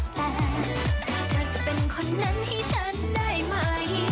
แต่เธอจะเป็นคนนั้นให้ฉันได้ไหม